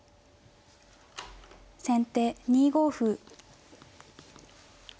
先手２五歩。